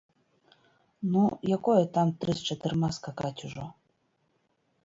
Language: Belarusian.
Ну якое там тры з чатырма скакаць ужо.